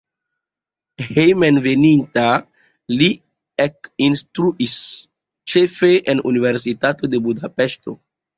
Hejmenveninta li ekinstruis ĉefe en Universitato de Budapeŝto.